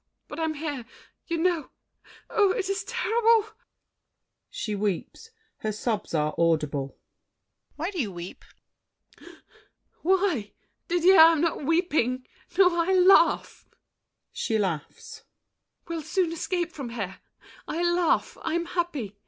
But I'm here—you know— Oh, it is terrible! [She weeps; her sobs are audible. DIDIER. Why do you weep? MARION. Why? Didier, I'm not weeping! No, I laugh! [She laughs. We'll soon escape from here! I laugh. I'm happy.